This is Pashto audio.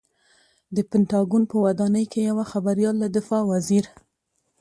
د پنټاګون په ودانۍ کې یوه خبریال له دفاع وزیر